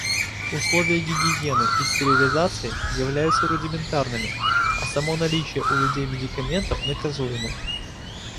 Условия гигиены и стерилизации являются рудиментарными, а само наличие у людей медикаментов наказуемо.